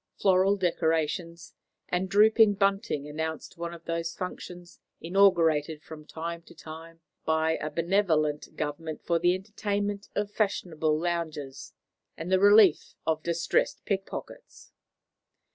Floral decorations and drooping bunting announced one of those functions inaugurated from time to time by a benevolent Government for the entertainment of fashionable loungers and the relief of distressed pickpockets.